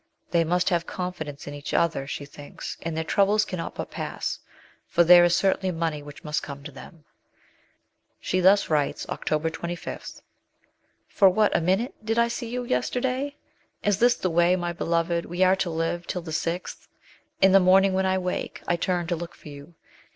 They must have confidence in each other, she thinks, and their troubles cannot but pass, for there is certainly money which must come to them ! She thus writes (October 25) : For what a minute did I see you yesterday ! Is this the way, my beloved, we are to live till the 6th ? In the morning when I wake, I turn to look for you.